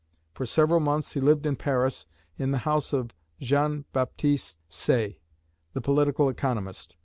For several months he lived in Paris, in the house of Jean Baptiste Say, the political economist.